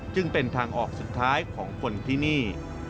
จึงเป็นทางออกสุดท้ายของคนที่นี่